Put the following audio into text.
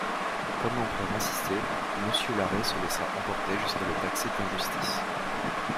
Comme l'empereur insistait, Monsieur Larrey se laissa emporter jusqu'à le taxer d'injustice.